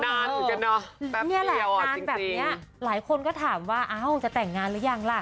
นานจริงจังนะแป๊บเดียวนานแบบนี้หลายคนก็ถามว่าจะแต่งงานหรือยังล่ะ